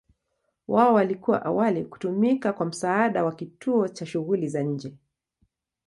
Wao walikuwa awali kutumika kwa msaada wa kituo cha shughuli za nje.